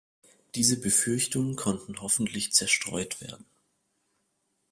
Diese Befürchtungen konnten hoffentlich zerstreut werden.